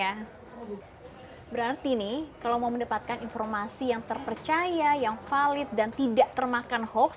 ya berarti nih kalau mau mendapatkan informasi yang terpercaya yang valid dan tidak termakan hoax